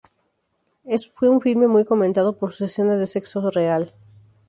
Fue un filme muy comentado por sus escenas de sexo real.